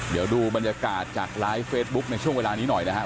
เดี๋ยวดูบรรยากาศจากไลฟ์เฟซบุ๊คในช่วงเวลานี้หน่อยนะครับ